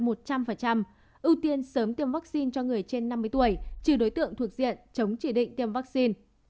ưu tiên sớm tiêm vaccine cho người trên năm mươi tuổi trừ đối tượng thuộc diện chống chỉ định tiêm vaccine